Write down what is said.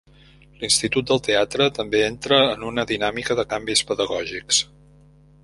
L'Institut del Teatre també entra en una dinàmica de canvis pedagògics.